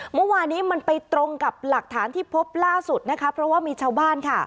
เมื่อวานี้มันไปตรงกับหลักฐานที่พบล่าสุดนะคะเพราะว่ามีชาวบ้านค่ะ